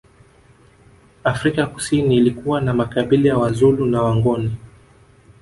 Afrika ya Kusini ilikuwa na makabila ya Wazulu na Wangoni